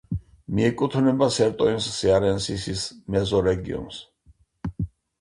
მიეკუთვნება სერტოინს-სეარენსისის მეზორეგიონს.